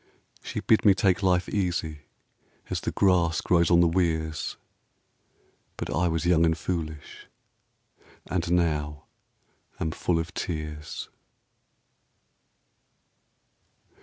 She bid me take life easy, as tne grass grows on the weirs ; But I was young and foolish, and now am full of tears.